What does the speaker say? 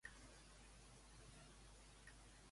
Només fallen alguns que posen comentaris odiosos.